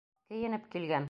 Кейенеп килгән.